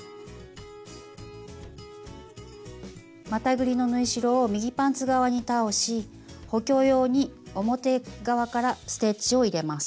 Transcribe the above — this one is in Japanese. またぐりの縫い代を右パンツ側に倒し補強用に表側からステッチを入れます。